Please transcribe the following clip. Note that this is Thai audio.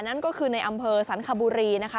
นั่นก็คือในอำเภอสันคบุรีนะคะ